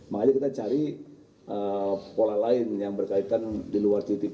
makanya kita cari pola lain yang berkaitan di luar titik